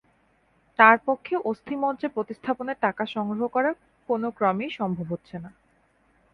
তাঁর পক্ষে অস্থিমজ্জা প্রতিস্থাপনের টাকা সংগ্রহ করা কোনোক্রমেই সম্ভব হচ্ছে না।